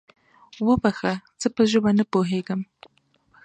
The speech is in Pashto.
وبخښه، زه په ژبه نه پوهېږم؟